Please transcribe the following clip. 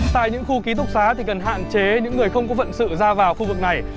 tại những khu ký túc xá thì cần hạn chế những người không có vận sự ra vào khu vực này